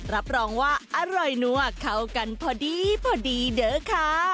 รับรองว่าอร่อยนัวเข้ากันพอดีพอดีเด้อค่ะ